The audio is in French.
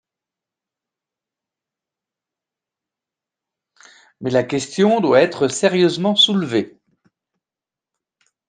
Mais la question doit être sérieusement soulevée.